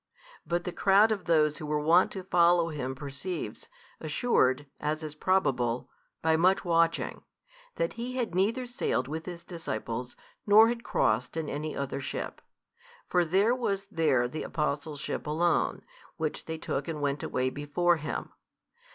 But the crowd of those who were wont to follow Him perceives, assured (as is probable) by much watching, that He had neither sailed with His disciples, nor had crossed in any other ship. For there was there the Apostles' ship alone, which they took and went away before Him.